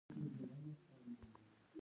بلوڅان او کردان خپلې جامې لري.